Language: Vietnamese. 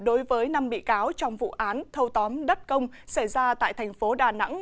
đối với năm bị cáo trong vụ án thâu tóm đất công xảy ra tại thành phố đà nẵng